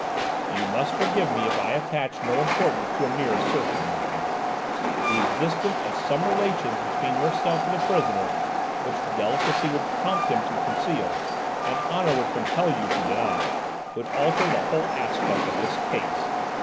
"You must forgive me if I attach no importance to a mere assertion, madame. The existence of some relations between yourself and the prisoner, which delicacy would prompt him to conceal, and honour would compel you to deny, would alter the whole aspect of this case."